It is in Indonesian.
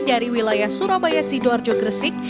dari wilayah surabaya sidoarjo gresik